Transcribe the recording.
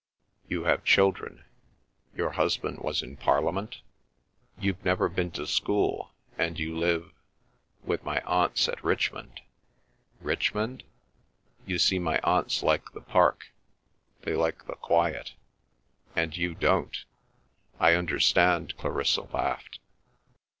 "You have children—your husband was in Parliament?" "You've never been to school, and you live—?" "With my aunts at Richmond." "Richmond?" "You see, my aunts like the Park. They like the quiet." "And you don't! I understand!" Clarissa laughed.